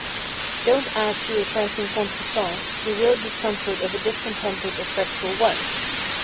Don't add to a trifling contretemps the real discomfort of a discontented or fretful wife.